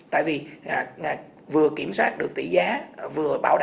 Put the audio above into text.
tại vì vừa kiểm soát được tỷ giá vừa bảo đảm